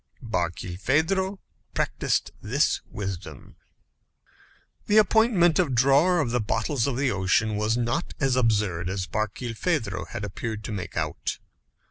Barkilphedro practised this wisdom. The appointment of drawer of the bottles of the ocean was not as absurd as Barkilphedro had appeared to make out.